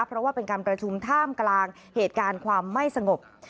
เพราะว่าเป็นการประชุมท่ามกลางเหตุการณ์ความไม่สงบ